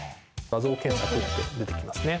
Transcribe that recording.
「画像で検索」って出てきますね。